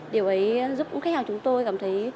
điều ấy giúp khách hàng chúng tôi cảm thấy